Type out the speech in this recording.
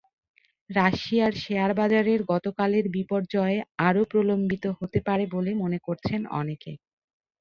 রাশিয়ার শেয়ারবাজারের গতকালের বিপর্যয় আরও প্রলম্বিত হতে পারে বলে মনে করছেন অনেকে।